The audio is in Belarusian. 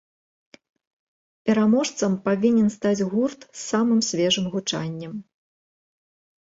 Пераможцам павінен стаць гурт з самым свежым гучаннем.